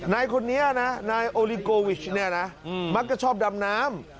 นายคนนี้นะนายโอลิโกวิชเนี่ยนะมักจะชอบดำน้ำ